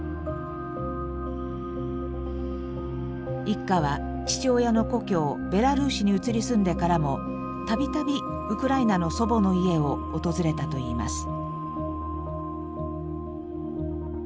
一家は父親の故郷ベラルーシに移り住んでからもたびたびウクライナの祖母の家を訪れたといいます。